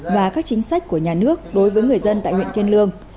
và các chính sách của nhà nước đối với người dân tại huyện kiên lương